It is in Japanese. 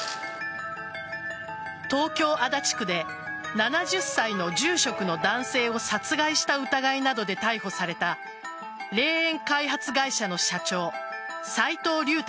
東京・足立区で７０歳の住職の男性を殺害した疑いなどで逮捕された霊園開発会社の社長斎藤竜太